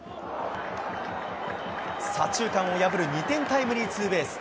左中間を破る２点タイムリーツーベース。